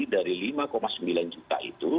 dari lima sembilan juta